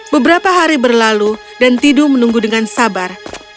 beberapa hari berlalu dan tidu menunggu dengan sabar